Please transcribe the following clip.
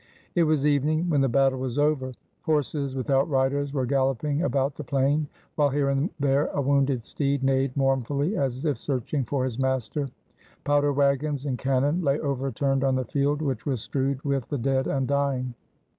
It was Qvening when the battle was over. Horses without riders were galloping about the plain, while here and there a wounded steed neighed mournfully, as if searching for his master. Powder wagons and can non lay overturned on the field, which was strewed with the dead and dying.